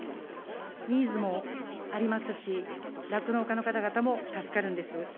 ニーズもありますし、酪農家の方々も助かるんです。